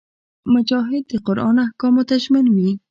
مجاهد د قران احکامو ته ژمن وي.